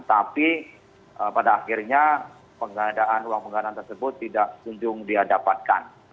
tapi pada akhirnya penggandaan uang penggandaan tersebut tidak sejujurnya diadapatkan